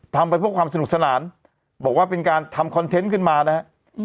ทำไปเพื่อความสนุกสนานบอกว่าเป็นการทำคอนเทนต์ขึ้นมานะฮะ